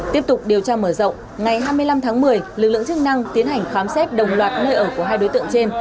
tiếp tục điều tra mở rộng ngày hai mươi năm tháng một mươi lực lượng chức năng tiến hành khám xét đồng loạt nơi ở của hai đối tượng trên